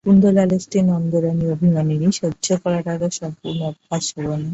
মুকুন্দলালের স্ত্রী নন্দরানী অভিমানিনী, সহ্য করাটা তাঁর সম্পূর্ণ অভ্যাস হল না।